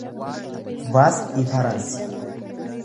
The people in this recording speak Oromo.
vaas ifaransi